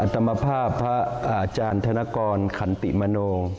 ธรรมภาพพระอาจารย์ธนกรขันติมโน